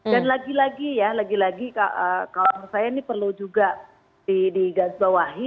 dan lagi lagi ya lagi lagi kawan kawan saya ini perlu juga digazbawahi